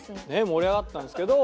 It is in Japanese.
盛り上がったんですけど。